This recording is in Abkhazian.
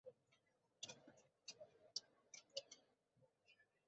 Уҽургаӡалоит акәымзар, уара зегьы удыруеит.